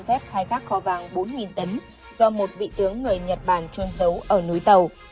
ông tân xin phép khai thác kho vàng bốn tấn do một vị tướng người nhật bản trôn dấu ở núi tàu